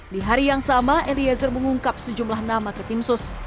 di hari yang sama eliezer mengungkap sejumlah nama ke tim sus